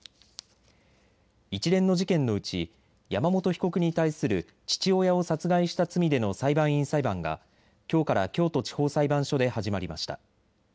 一連の事件のうち、山本被告に対する父親を殺害した罪での裁判員裁判がきょうから京都地方裁判所で始まりました。